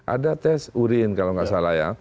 ada tes urin kalau nggak salah ya